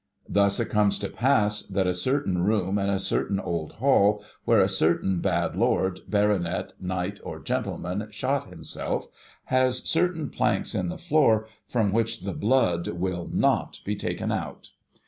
Thus, it comes to pass, that a certain room in a certain old hall, where a certain bad lord, baronet, knight, or gentleman, shot himself, has certain planks in the floor from which the blood 7i'/A' w^/ be taken out.